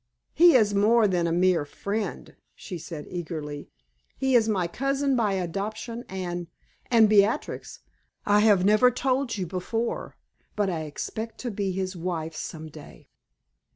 He is more than a mere friend!" she said, eagerly; "he is my cousin by adoption, and and, Beatrix, I have never told you before; but I expect to be his wife some day!"